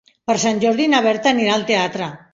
Per Sant Jordi na Berta anirà al teatre.